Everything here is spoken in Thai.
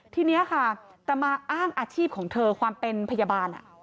ทีนี้ค่ะแต่มาอ้างอาชีพของเธอความเป็นพยาบาล